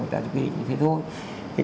người ta chỉ quyết định như thế thôi